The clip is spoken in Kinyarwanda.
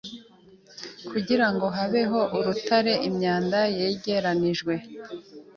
Kugirango habeho urutare imyanda yegeranijwe